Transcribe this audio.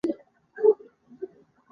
طالبان د هویت پر بحث کې پوه شوي دي.